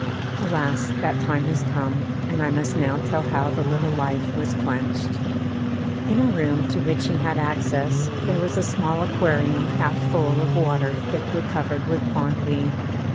Alas! that time has come, and I must now tell how the little life was quenched. In a room to which he had access, there was a small aquarium half full of water thickly covered with pond weed.